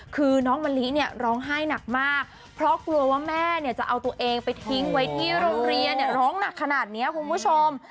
คือน้องมะลิเนี่ยร้องไห้หนักมากเพราะกลัวว่าแม่เนี่ยจะเอาตัวเองไปทิ้งไว้ที่โรงเรียนเนี่ยร้องหนักขนาดนี้คุณผู้ชม